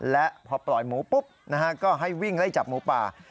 และพอปล่อยหมูปุ๊บนะฮะก็ให้วิ่งไล่จับหมูป่า